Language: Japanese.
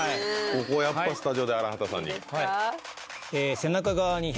ここはやっぱスタジオで荒畑さんに。